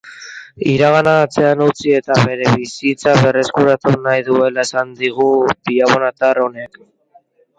Iragana atzean utzi eta bere bizitza berreskuratu nahi duela esan digu billabonatar honek.